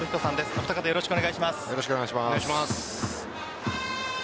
お二方、よろしくお願いします。